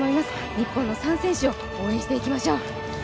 日本の３選手を応援していきましょう。